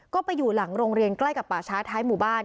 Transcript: ก็ไปอยู่หลังโรงเรียนใกล้กับป่าช้าท้ายหมู่บ้าน